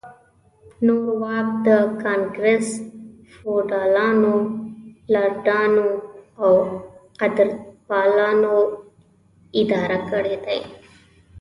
نور واک د ګانګرس فیوډالانو، لارډانو او قدرتپالو اداره کړی دی.